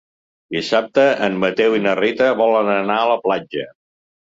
Dissabte en Mateu i na Rita volen anar a la platja.